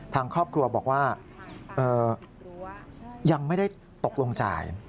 ทางครอบครัวบอกว่ายังไม่ได้ตกลงจ่าย